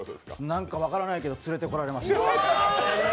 何か分からないけど連れてこられました。